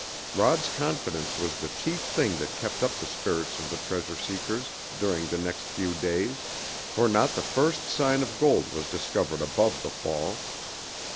Rod's confidence was the chief thing that kept up the spirits of the treasure seekers during the next few days, for not the first sign of gold was discovered above the fall.